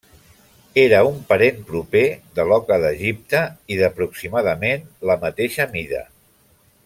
Era un parent proper de l'oca d'Egipte i d'aproximadament la mateixa mida.